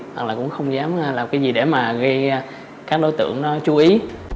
hoặc là cũng không dám làm cái gì để mà gây các đối tượng chú ý